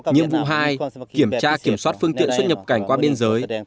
nhiệm vụ hai kiểm tra kiểm soát phương tiện xuất nhập cảnh qua biên giới